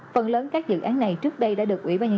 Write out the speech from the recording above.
phần lớn các dự án này trước đây đã được tham gia